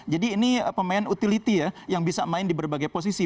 jadi ini pemain utility ya yang bisa bermain di berbagai posisi